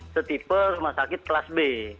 setipe rumah sakit kelas b